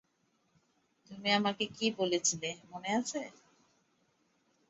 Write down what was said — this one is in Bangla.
তুমি আমাকে কী বলেছিলে, মনে আছে?